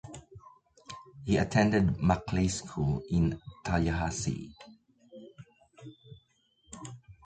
He attended Maclay School in Tallahassee.